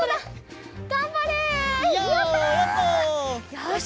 よし！